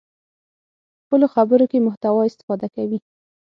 خپلو خبرو کې محتوا استفاده کوي.